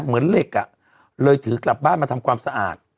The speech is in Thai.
เหมือนเหล็กอ่ะเลยถือกลับบ้านมาทำความสะอาด